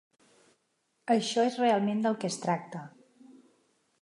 Això és realment del que es tracta.